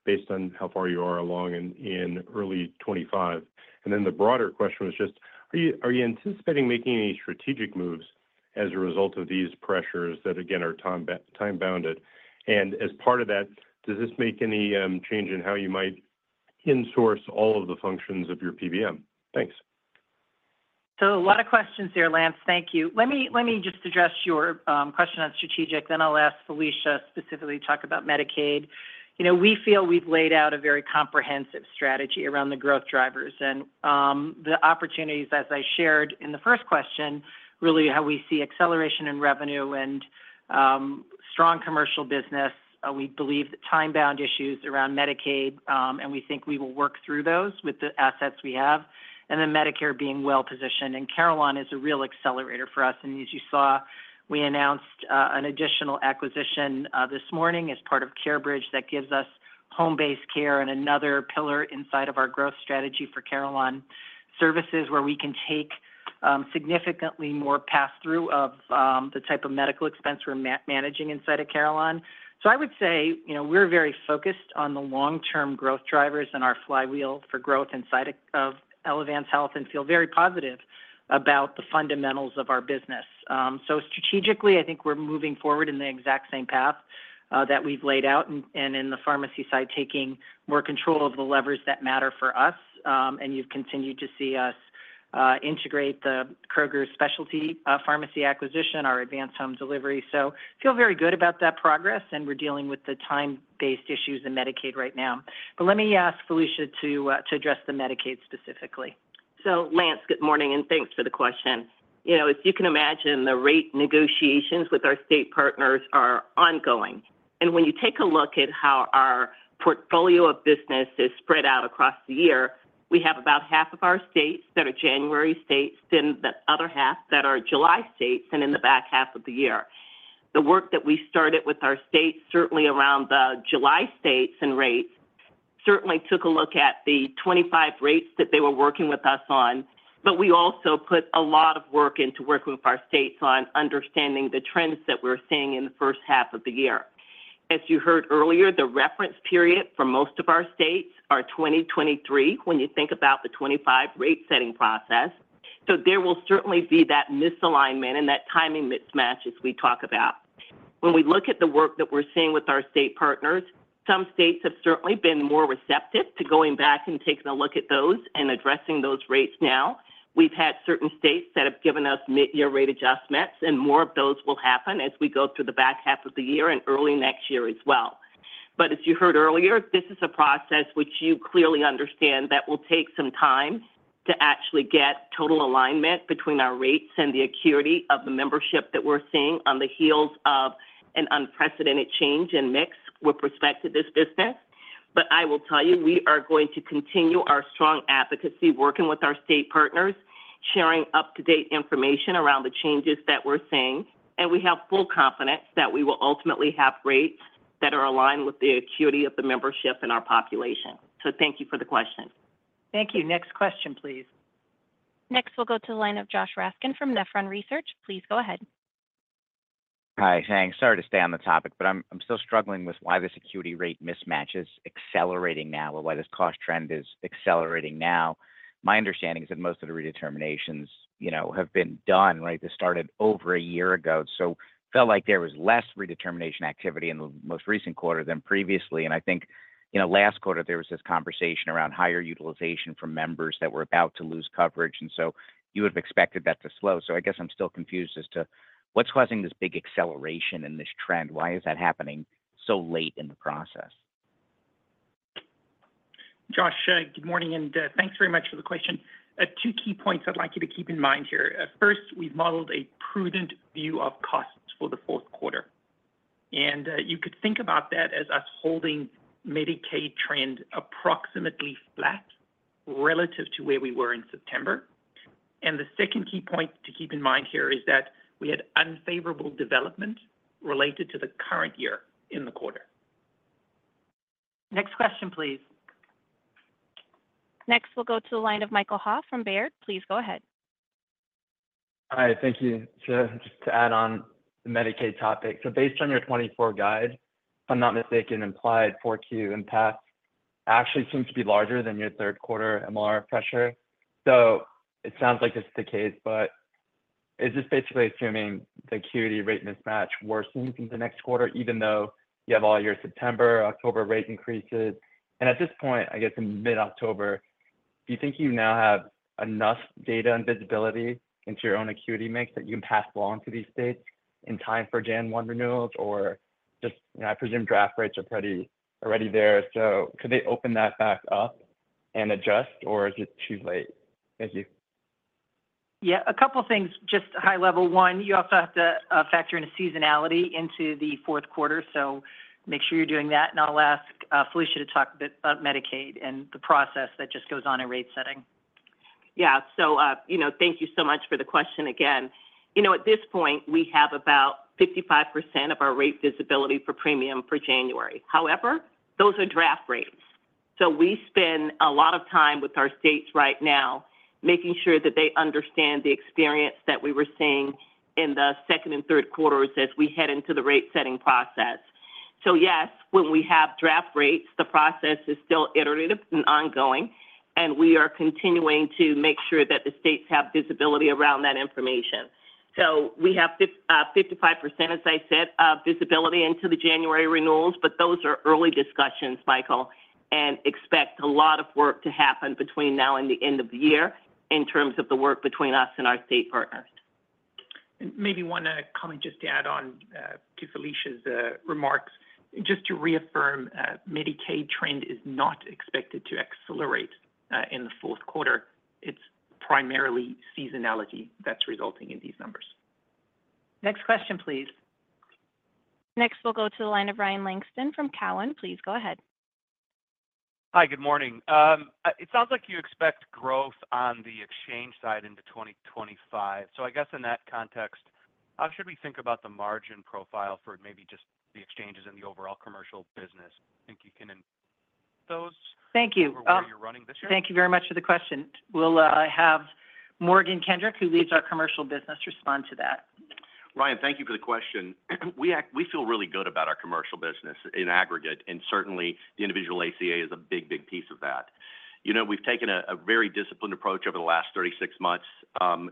based on how far you are along in early 2025. And then the broader question was just, are you anticipating making any strategic moves as a result of these pressures that, again, are time-bounded? And as part of that, does this make any change in how you might in-source all of the functions of your PBM? Thanks. So a lot of questions there, Lance. Thank you. Let me just address your question on strategy, then I'll ask Felicia specifically to talk about Medicaid. You know, we feel we've laid out a very comprehensive strategy around the growth drivers. And, the opportunities, as I shared in the first question, really how we see acceleration in revenue and, strong commercial business. We believe the time-bound issues around Medicaid, and we think we will work through those with the assets we have, and then Medicare being well-positioned. Carelon is a real accelerator for us, and as you saw, we announced an additional acquisition this morning as part of CareBridge that gives us home-based care and another pillar inside of our growth strategy for Carelon Services, where we can take significantly more pass-through of the type of medical expense we're managing inside of Carelon. I would say, you know, we're very focused on the long-term growth drivers and our flywheel for growth inside of Elevance Health, and feel very positive about the fundamentals of our business. Strategically, I think we're moving forward in the exact same path that we've laid out, and in the pharmacy side, taking more control of the levers that matter for us. You've continued to see us integrate the Kroger Specialty Pharmacy acquisition, our advanced home delivery. So feel very good about that progress, and we're dealing with the time-based issues in Medicaid right now. But let me ask Felicia to address the Medicaid specifically. So Lance, good morning, and thanks for the question. You know, as you can imagine, the rate negotiations with our state partners are ongoing. And when you take a look at how our portfolio of business is spread out across the year, we have about half of our states that are January states, then the other half that are July states and in the back half of the year. The work that we started with our states, certainly around the July states and rates, certainly took a look at the 2025 rates that they were working with us on, but we also put a lot of work into working with our states on understanding the trends that we're seeing in the first half of the year. As you heard earlier, the reference period for most of our states are 2023, when you think about the 2025 rate-setting process. So there will certainly be that misalignment and that timing mismatch as we talk about. When we look at the work that we're seeing with our state partners, some states have certainly been more receptive to going back and taking a look at those and addressing those rates now. We've had certain states that have given us mid-year rate adjustments, and more of those will happen as we go through the back half of the year and early next year as well. But as you heard earlier, this is a process which you clearly understand that will take some time to actually get total alignment between our rates and the acuity of the membership that we're seeing on the heels of an unprecedented change in mix with respect to this business. But I will tell you, we are going to continue our strong advocacy, working with our state partners, sharing up-to-date information around the changes that we're seeing, and we have full confidence that we will ultimately have rates that are aligned with the acuity of the membership in our population. So thank you for the question. Thank you. Next question, please. Next, we'll go to the line of Josh Raskin from Nephron Research. Please go ahead. Hi, thanks. Sorry to stay on the topic, but I'm still struggling with why this acuity rate mismatch is accelerating now, or why this cost trend is accelerating now. My understanding is that most of the redeterminations, you know, have been done, right? This started over a year ago, so felt like there was less redetermination activity in the most recent quarter than previously. And I think, you know, last quarter there was this conversation around higher utilization from members that were about to lose coverage, and so you would have expected that to slow. So I guess I'm still confused as to what's causing this big acceleration in this trend. Why is that happening so late in the process? Josh, good morning, and thanks very much for the question. Two key points I'd like you to keep in mind here. First, we've modeled a prudent view of costs for the fourth quarter. And you could think about that as us holding Medicaid trend approximately flat relative to where we were in September. And the second key point to keep in mind here is that we had unfavorable development related to the current year in the quarter. Next question, please. Next, we'll go to the line of Michael Ha from Baird. Please go ahead. Hi, thank you. So just to add on the Medicaid topic, so based on your 2024 guide, if I'm not mistaken, implied 4Q impact actually seems to be larger than your third quarter MR pressure. So it sounds like this is the case, but is this basically assuming the acuity rate mismatch worsens in the next quarter, even though you have all your September, October rate increases? And at this point, I guess in mid-October, do you think you now have enough data and visibility into your own acuity mix that you can pass along to these states in time for January 1 renewals, or just, you know, I presume draft rates are pretty already there. So could they open that back up and adjust, or is it too late? Thank you. Yeah, a couple of things, just high level. One, you also have to factor in a seasonality into the fourth quarter, so make sure you're doing that. And I'll ask Felicia to talk a bit about Medicaid and the process that just goes on in rate setting. Yeah, so you know, thank you so much for the question again. You know, at this point, we have about 55% of our rate visibility for premium for January. However, those are draft rates, so we spend a lot of time with our states right now, making sure that they understand the experience that we were seeing in the second and third quarters as we head into the rate setting process, so yes, when we have draft rates, the process is still iterative and ongoing, and we are continuing to make sure that the states have visibility around that information. So we have 55%, as I said, of visibility into the January renewals, but those are early discussions, Michael, and expect a lot of work to happen between now and the end of the year in terms of the work between us and our state partners. Maybe one comment just to add on to Felicia's remarks. Just to reaffirm, Medicaid trend is not expected to accelerate in the fourth quarter. It's primarily seasonality that's resulting in these numbers. Next question, please. Next, we'll go to the line of Ryan Langston from Cowen. Please go ahead. Hi, good morning. It sounds like you expect growth on the exchange side into 2025. So I guess in that context, how should we think about the margin profile for maybe just the exchanges in the overall commercial business? I think you can, where you're running this year? Thank you. Thank you very much for the question. We'll have Morgan Kendrick, who leads our commercial business, respond to that. Ryan, thank you for the question. We feel really good about our commercial business in aggregate, and certainly the individual ACA is a big, big piece of that. You know, we've taken a very disciplined approach over the last thirty-six months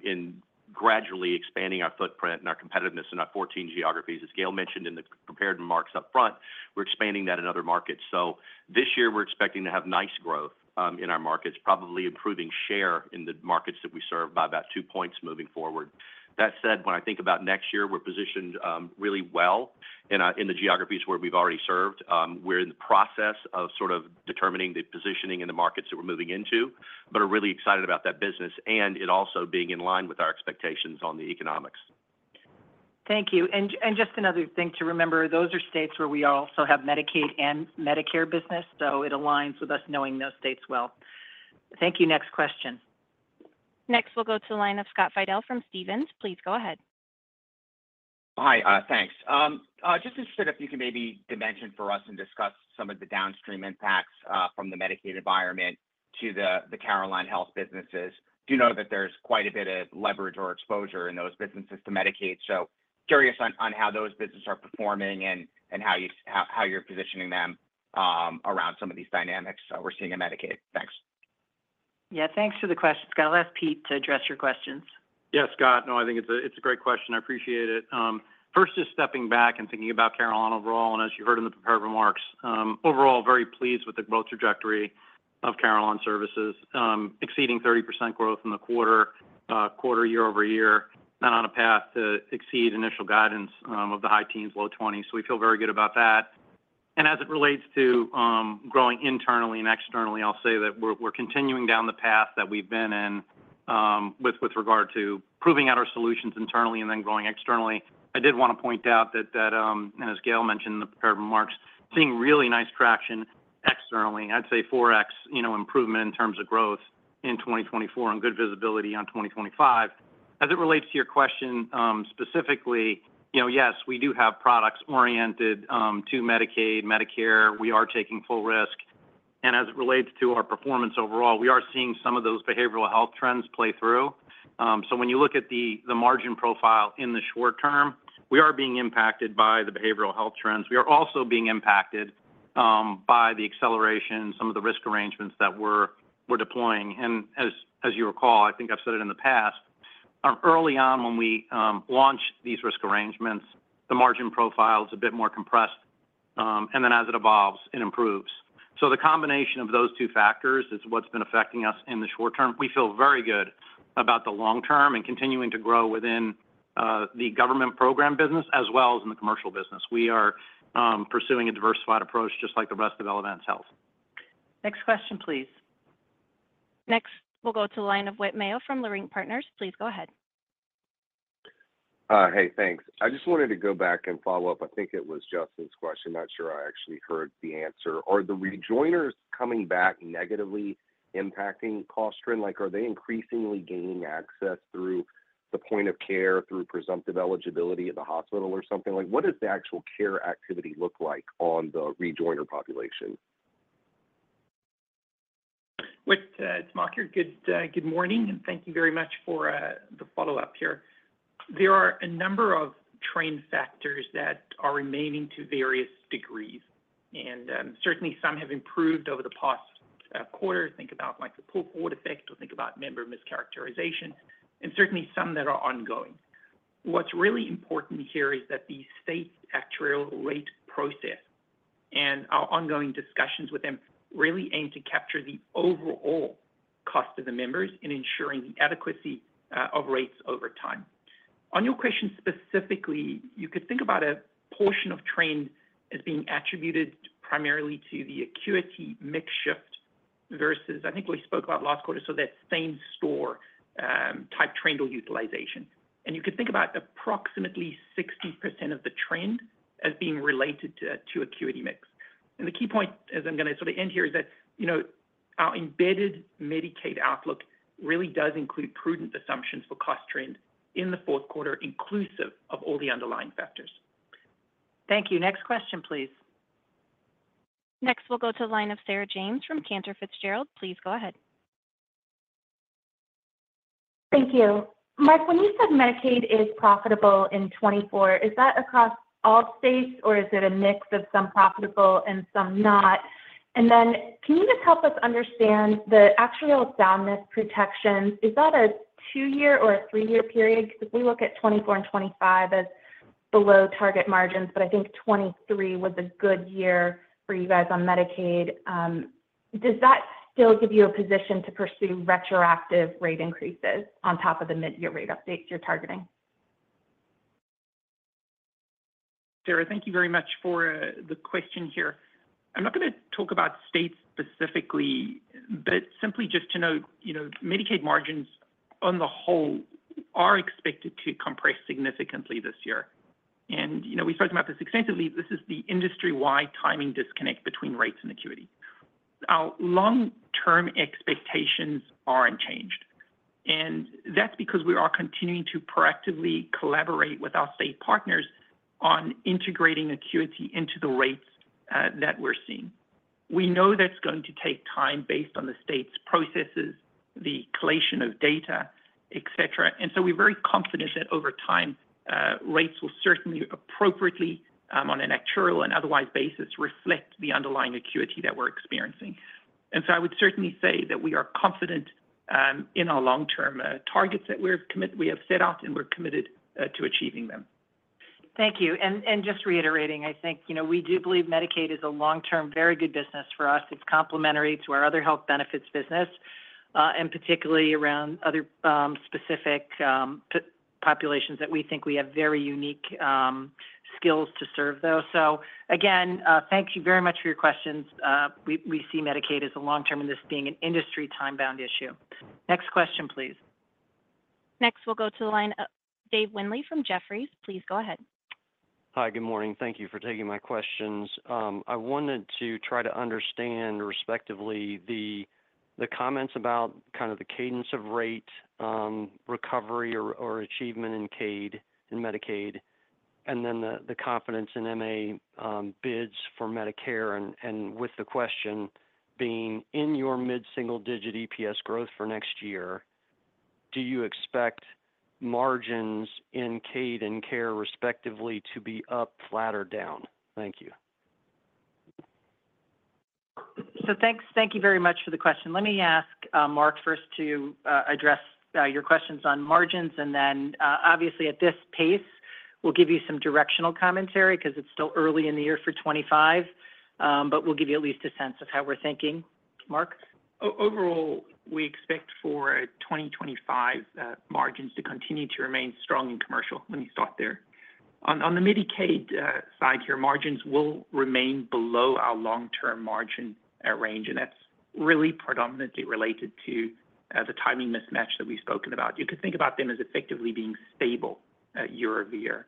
in gradually expanding our footprint and our competitiveness in our 14 geographies. As Gail mentioned in the prepared remarks up front, we're expanding that in other markets. So this year, we're expecting to have nice growth in our markets, probably improving share in the markets that we serve by about two points moving forward. That said, when I think about next year, we're positioned really well in the geographies where we've already served. We're in the process of sort of determining the positioning in the markets that we're moving into, but are really excited about that business and it also being in line with our expectations on the economics. Thank you, and just another thing to remember, those are states where we also have Medicaid and Medicare business, so it aligns with us knowing those states well. Thank you. Next question. Next, we'll go to the line of Scott Fidel from Stephens. Please go ahead. Hi, thanks. Just interested if you can maybe dimension for us and discuss some of the downstream impacts from the Medicaid environment to the Carelon businesses. You know that there's quite a bit of leverage or exposure in those businesses to Medicaid. So curious on how those businesses are performing and how you're positioning them around some of these dynamics that we're seeing in Medicaid. Thanks. Yeah, thanks for the question, Scott. I'll ask Pete to address your questions. Yeah, Scott, no, I think it's a great question. I appreciate it. First, just stepping back and thinking about Carelon overall, and as you heard in the prepared remarks, overall, very pleased with the growth trajectory of Carelon Services, exceeding 30% growth in the quarter year over year, and on a path to exceed initial guidance of the high teens, low 20s. So we feel very good about that. And as it relates to growing internally and externally, I'll say that we're continuing down the path that we've been in with regard to proving out our solutions internally and then growing externally. I did want to point out that and as Gail mentioned in the prepared remarks, seeing really nice traction externally. I'd say 4x, you know, improvement in terms of growth in 2024 and good visibility on 2025. As it relates to your question, specifically, you know, yes, we do have products oriented to Medicaid, Medicare. We are taking full risk. And as it relates to our performance overall, we are seeing some of those behavioral health trends play through. So when you look at the margin profile in the short term, we are being impacted by the behavioral health trends. We are also being impacted by the acceleration, some of the risk arrangements that we're deploying. And as you recall, I think I've said it in the past, early on, when we launched these risk arrangements, the margin profile is a bit more compressed, and then as it evolves, it improves. So the combination of those two factors is what's been affecting us in the short term. We feel very good about the long term and continuing to grow within the government program business as well as in the commercial business. We are pursuing a diversified approach, just like the rest of Elevance Health. Next question, please. Next, we'll go to the line of Whit Mayo from Leerink Partners. Please go ahead. Hey, thanks. I just wanted to go back and follow up. I think it was Justin's question. Not sure I actually heard the answer. Are the redeterminations coming back negatively impacting cost trend? Like, are they increasingly gaining access through the point of care, through presumptive eligibility at the hospital or something? Like, what is the actual care activity look like on the redetermination population? Whit, Mark here. Good, good morning, and thank you very much for the follow-up here. There are a number of trend factors that are remaining to various degrees, and certainly some have improved over the past quarter. Think about, like, the pull-forward effect, or think about member mischaracterization, and certainly some that are ongoing. What's really important here is that the state actuarial rate process and our ongoing discussions with them really aim to capture the overall cost to the members in ensuring the adequacy of rates over time. On your question specifically, you could think about a portion of trend as being attributed primarily to the acuity mix shift versus, I think we spoke about last quarter, so that same-store type trend or utilization. And you could think about approximately 60% of the trend as being related to acuity mix. And the key point, as I'm gonna sort of end here, is that, you know, our embedded Medicaid outlook really does include prudent assumptions for cost trend in the fourth quarter, inclusive of all the underlying factors. Thank you. Next question, please. Next, we'll go to the line of Sarah James from Cantor Fitzgerald. Please go ahead. Thank you. Mark, when you said Medicaid is profitable in 2024, is that across all states, or is it a mix of some profitable and some not? And then can you just help us understand the actuarial soundness protections? Is that a two-year or a three-year period? Because if we look at 2024 and 2025 as below target margins, but I think 2023 was a good year for you guys on Medicaid. Does that still give you a position to pursue retroactive rate increases on top of the mid-year rate updates you're targeting? Sarah, thank you very much for the question here. I'm not gonna talk about states specifically, but simply just to note, you know, Medicaid margins on the whole are expected to compress significantly this year. And, you know, we've spoken about this extensively. This is the industry-wide timing disconnect between rates and acuity. Our long-term expectations are unchanged, and that's because we are continuing to proactively collaborate with our state partners on integrating acuity into the rates that we're seeing. We know that's going to take time based on the state's processes, the collation of data, et cetera. And so we're very confident that over time, rates will certainly, appropriately, on an actuarial and otherwise basis, reflect the underlying acuity that we're experiencing. And so I would certainly say that we are confident in our long-term targets that we have set out, and we're committed to achieving them. Thank you. And just reiterating, I think, you know, we do believe Medicaid is a long-term, very good business for us. It's complementary to our other health benefits business, and particularly around other specific populations that we think we have very unique skills to serve those. So again, thank you very much for your questions. We see Medicaid as a long term and this being an industry time-bound issue. Next question, please. Next, we'll go to the line of Dave Windley from Jefferies. Please go ahead. Hi, good morning. Thank you for taking my questions. I wanted to try to understand, respectively, the comments about kind of the cadence of rate recovery or achievement in commercial and Medicaid, and then the confidence in MA bids for Medicare, and with the question being: In your mid-single-digit EPS growth for next year, do you expect margins in commercial and Carelon, respectively, to be up, flat, or down? Thank you. So thanks, thank you very much for the question. Let me ask, Mark first to address your questions on margins, and then, obviously, at this pace, we'll give you some directional commentary because it's still early in the year for 2025. But we'll give you at least a sense of how we're thinking. Mark? Overall, we expect for 2025, margins to continue to remain strong in commercial. Let me stop there. On the Medicaid side here, margins will remain below our long-term margin range, and that's really predominantly related to the timing mismatch that we've spoken about. You could think about them as effectively being stable year-over-year.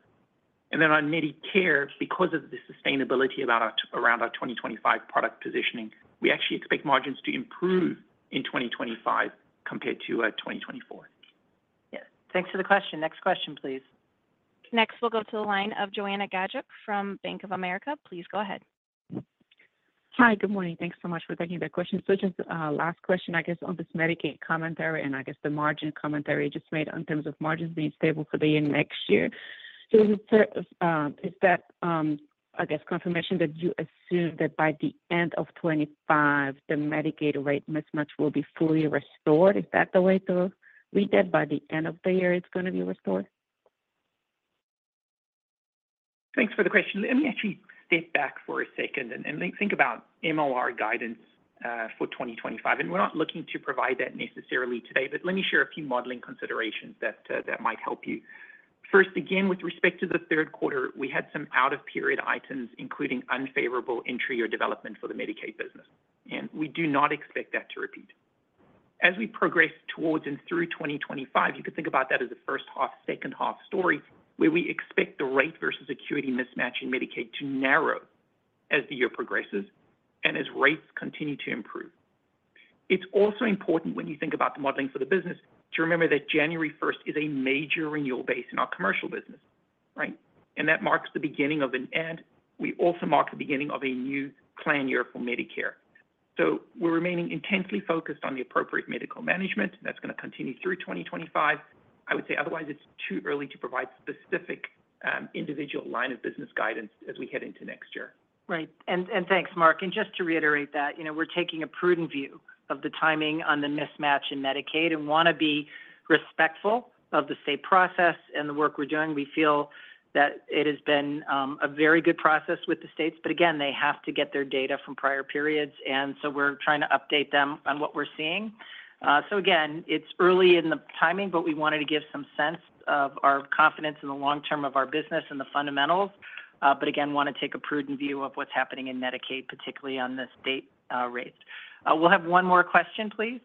And then on Medicare, because of the sustainability of our around our 2025 product positioning, we actually expect margins to improve in 2025 compared to 2024. Yeah. Thanks for the question. Next question, please. Next, we'll go to the line of Joanna Gajuk from Bank of America. Please go ahead. Hi, good morning. Thanks so much for taking the question. So just last question, I guess, on this Medicaid commentary, and I guess the margin commentary just made in terms of margins being stable for the end of next year. So, is that, I guess, confirmation that you assume that by the end of 2025, the Medicaid rate mismatch will be fully restored? Is that the way to read that, by the end of the year, it's gonna be restored? Thanks for the question. Let me actually step back for a second and think about more guidance for 2025. We're not looking to provide that necessarily today, but let me share a few modeling considerations that might help you. First, again, with respect to the third quarter, we had some out-of-period items, including unfavorable intra-year development for the Medicaid business, and we do not expect that to repeat. As we progress towards and through 2025, you could think about that as a first half, second half story, where we expect the rate versus acuity mismatch in Medicaid to narrow as the year progresses and as rates continue to improve. It's also important when you think about the modeling for the business, to remember that January 1st is a major renewal base in our commercial business. Right, and that marks the beginning of an end. We also mark the beginning of a new plan year for Medicare. So we're remaining intensely focused on the appropriate medical management, and that's gonna continue through 2025. I would say otherwise, it's too early to provide specific, individual line of business guidance as we head into next year. Right. And thanks, Mark. And just to reiterate that, you know, we're taking a prudent view of the timing on the mismatch in Medicaid, and wanna be respectful of the state process and the work we're doing. We feel that it has been a very good process with the states, but again, they have to get their data from prior periods, and so we're trying to update them on what we're seeing. So again, it's early in the timing, but we wanted to give some sense of our confidence in the long term of our business and the fundamentals. But again, wanna take a prudent view of what's happening in Medicaid, particularly on the state rates. We'll have one more question, please.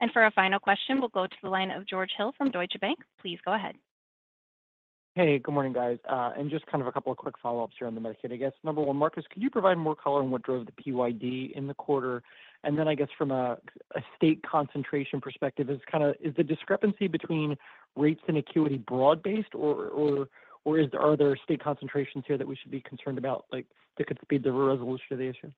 And for our final question, we'll go to the line of George Hill from Deutsche Bank. Please go ahead. Hey, good morning, guys. And just kind of a couple of quick follow-ups here on the Medicaid, I guess. Number one, Mark, could you provide more color on what drove the PYD in the quarter? And then I guess from a state concentration perspective, is kinda, Is the discrepancy between rates and acuity broad-based or is there state concentrations here that we should be concerned about, like, that could speed the resolution of the issue?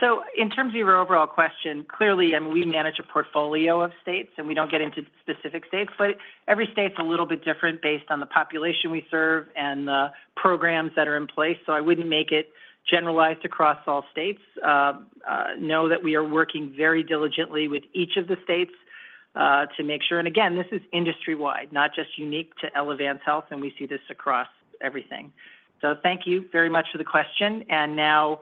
So in terms of your overall question, clearly, and we manage a portfolio of states, and we don't get into specific states, but every state's a little bit different based on the population we serve and the programs that are in place, so I wouldn't make it generalized across all states. Know that we are working very diligently with each of the states to make sure. And again, this is industry-wide, not just unique to Elevance Health, and we see this across everything. So thank you very much for the question. And now,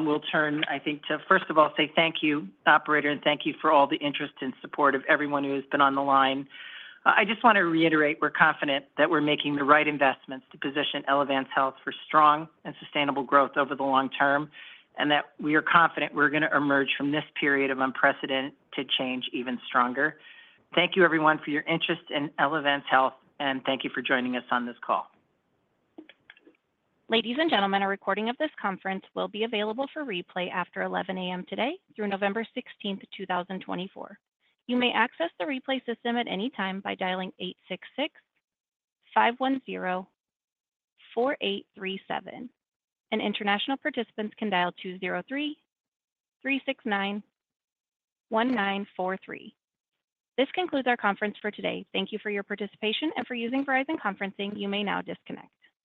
we'll turn, I think, to first of all say thank you, operator, and thank you for all the interest and support of everyone who has been on the line. I just want to reiterate, we're confident that we're making the right investments to position Elevance Health for strong and sustainable growth over the long term, and that we are confident we're gonna emerge from this period of unprecedented change even stronger. Thank you, everyone, for your interest in Elevance Health, and thank you for joining us on this call. Ladies and gentlemen, a recording of this conference will be available for replay after 11 A.M. today through November sixteenth, two thousand twenty-four. You may access the replay system at any time by dialing 866-510-4837, and international participants can dial 203-369-1943. This concludes our conference for today. Thank you for your participation and for using Verizon Conferencing. You may now disconnect.